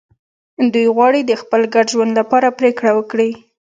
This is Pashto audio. دوی غواړي د خپل ګډ ژوند لپاره پرېکړه وکړي.